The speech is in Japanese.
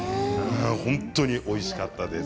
本当においしかったです。